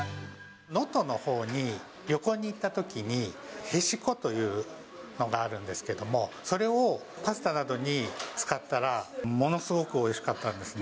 能登のほうに旅行に行ったときに、へしこというのがあるんですけれども、それをパスタなどに使ったら、ものすごくおいしかったんですね。